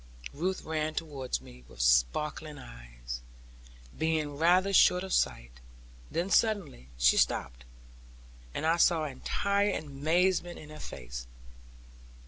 Ruth ran towards me with sparkling eyes, being rather short of sight; then suddenly she stopped, and I saw entire amazement in her face.